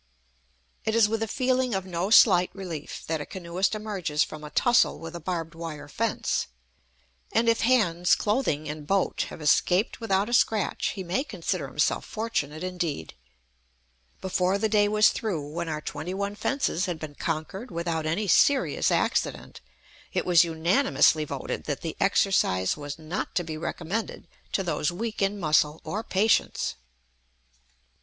It is with a feeling of no slight relief that a canoeist emerges from a tussle with a barbed wire fence; and if hands, clothing, and boat have escaped without a scratch, he may consider himself fortunate, indeed. Before the day was through, when our twenty one fences had been conquered without any serious accident, it was unanimously voted that the exercise was not to be recommended to those weak in muscle or patience.